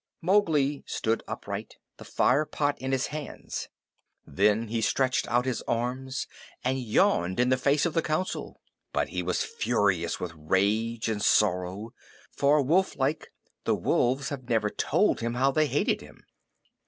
Mowgli stood upright the fire pot in his hands. Then he stretched out his arms, and yawned in the face of the Council; but he was furious with rage and sorrow, for, wolflike, the wolves had never told him how they hated him.